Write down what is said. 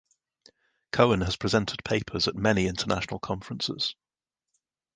Cohen has presented papers at many international conferences.